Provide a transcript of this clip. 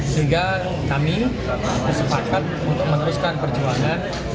sehingga kami bersepakat untuk meneruskan perjuangan